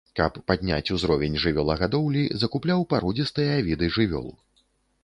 Каб падняць узровень жывёлагадоўлі, закупляў пародзістыя віды жывёл.